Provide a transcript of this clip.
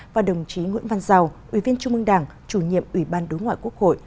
và đồng chí nguyễn văn giàu ủy viên trung ương đảng chủ nhiệm ủy ban đối ngoại quốc hội